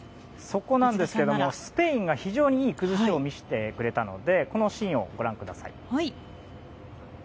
そこなんですけどもスペインが非常にいい崩しを見せてくれたのでこのシーンをご覧ください。